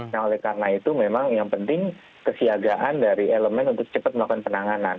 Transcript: nah oleh karena itu memang yang penting kesiagaan dari elemen untuk cepat melakukan penanganan